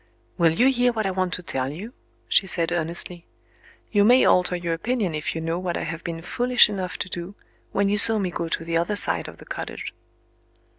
"Will you hear what I want to tell you?" she said earnestly. "You may alter your opinion if you know what I have been foolish enough to do, when you saw me go to the other side of the cottage."